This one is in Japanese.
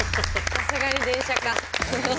さすがに電車か。